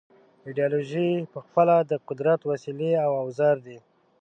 ایدیالوژۍ پخپله د قدرت وسیلې او اوزار دي.